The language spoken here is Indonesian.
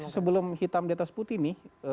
sebelum hitam di atas putih nih